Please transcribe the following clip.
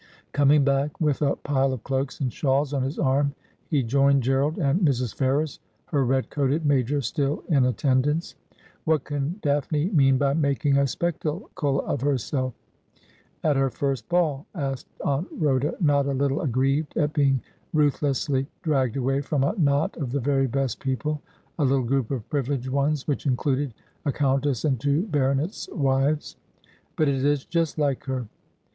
Coming back with a pile of cloaks and shawls on his arm, he joined Gerald and Mrs. Ferrers, her red coated major still in attend ance. ' What can Daphne mean by making a spectacle of herself at her first ball ?' asked Aunt Rhoda, not a little aggrieved at being ruthlessly dragged away from a knot of the very best people, a little group of privileged ones, which included a coun tess and two baronets' wives. ' But it is just like her.'